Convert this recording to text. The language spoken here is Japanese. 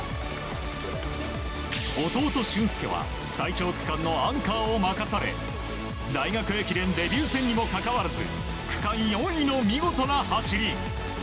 弟・駿恭は最長区間のアンカーを任され大学駅伝デビュー戦にもかかわらず区間４位の見事な走り。